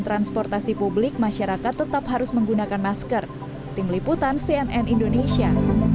transportasi publik masyarakat tetap harus menggunakan masker tim liputan cnn indonesia